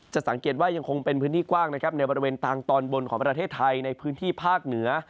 สังเกตว่ายังคงเป็นพื้นที่กว้างนะครับในบริเวณทางตอนบนของประเทศไทยในพื้นที่ภาคเหนือ